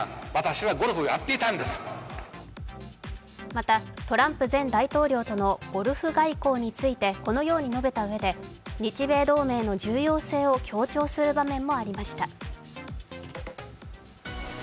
また、トランプ前大統領とのゴルフ外交についてこのように述べたうえで、日米同盟の重要性を強調する場面もありました。